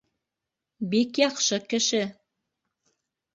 Бик яҡшы кеше.